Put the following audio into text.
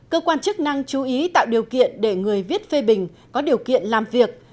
cơ quan chức năng chú ý tạo điều kiện để người viết phê bình có điều kiện làm việc